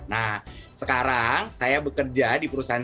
nah sekarang saya bekerja di perusahaan